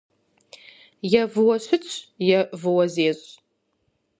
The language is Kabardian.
Е выуэ щытщ, е выуэ зещӏ.